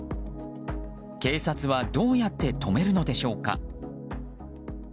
警察はどうやって止めるのでしょうか。